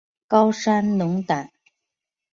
高山龙胆